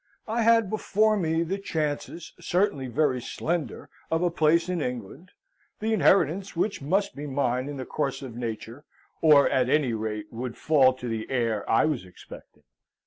I had before me the chances, certainly very slender, of a place in England; the inheritance which must be mine in the course of nature, or at any rate would fall to the heir I was expecting.